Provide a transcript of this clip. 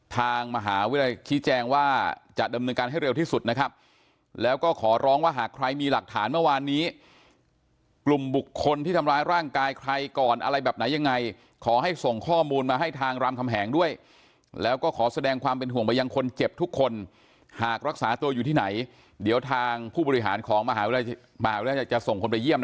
ทางมหาวิทยาลัยชี้แจงว่าจะดำเนินการให้เร็วที่สุดนะครับแล้วก็ขอร้องว่าหากใครมีหลักฐานเมื่อวานนี้กลุ่มบุคคลที่ทำร้ายร่างกายใครก่อนอะไรแบบไหนยังไงขอให้ส่งข้อมูลมาให้ทางรามคำแหงด้วยแล้วก็ขอแสดงความเป็นห่วงไปยังคนเจ็บทุกคนหากรักษาตัวอยู่ที่ไหนเดี๋ยวทางผู้บริหารของมหาวิทยาลัยมหาวิทยาลัยจะส่งคนไปเยี่ยม